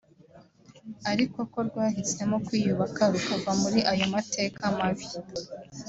ariko ko rwahisemo kwiyubaka rukava muri ayo mateka mabi